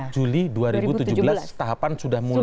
juli dua ribu tujuh belas tahapan sudah mulai